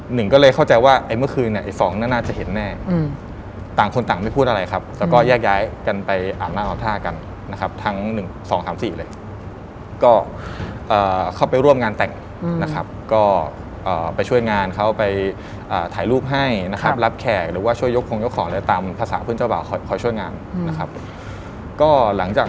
หนึ่งก็เลยเข้าใจว่าไอ้เมื่อคืนเนี่ยไอ้สองนั้นน่าจะเห็นแน่ต่างคนต่างไม่พูดอะไรครับแล้วก็แยกย้ายกันไปอาบหน้าอาบท่ากันนะครับทั้ง๑๒๓๔เลยก็เอ่อเข้าไปร่วมงานแต่งนะครับก็ไปช่วยงานเขาไปถ่ายรูปให้นะครับรับแขกหรือว่าช่วยยกคงยกของอะไรตามภาษาเพื่อนเจ้าบ่าวคอยช่วยงานนะครับก็หลังจาก